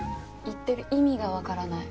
言ってる意味がわからない。